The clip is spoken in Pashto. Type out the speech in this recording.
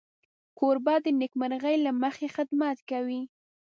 کوربه د نېکمرغۍ له مخې خدمت کوي.